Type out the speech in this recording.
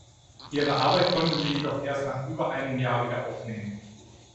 Ihre Arbeit konnte sie jedoch erst nach über einem Jahr wieder aufnehmen.